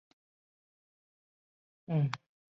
事情成功马上说自己也有功劳